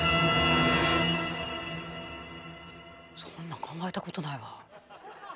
そんな考えたことないわ。